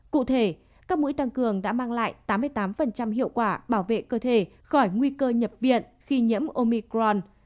cụ thể các mũi tăng cường đã mang lại tám mươi tám hiệu quả bảo vệ cơ thể khỏi nguy cơ nhập viện khi nhiễm omicron